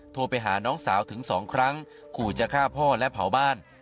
โทรไปหาน้องสาวถึงสองครั้งขู่จะฆ่าพ่อและเผาบ้าน